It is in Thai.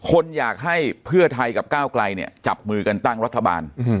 คนอยากให้เพื่อไทยกับก้าวไกลเนี่ยจับมือกันตั้งรัฐบาล